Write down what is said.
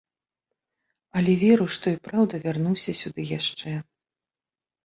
Але веру, што і праўда вярнуся сюды яшчэ.